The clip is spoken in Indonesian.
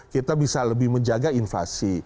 kita bisa lebih menjaga inflasi